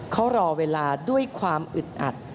เขารอเวลาด้วยความอึดอัด